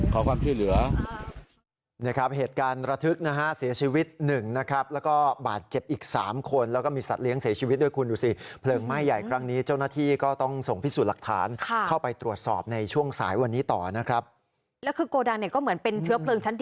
ขอความช่วยเหลือ